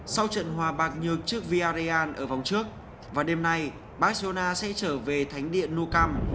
sau trận hòa bạc nhược trước villarreal ở vòng trước vào đêm nay barcelona sẽ trở về thánh điện nou camp